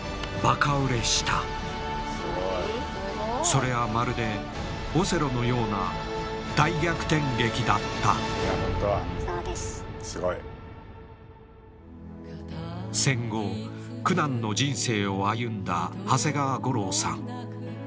それはまるでオセロのような大逆転劇だった戦後苦難の人生を歩んだ長谷川五郎さん。